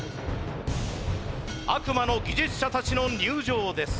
悪魔の技術者たちの入場です。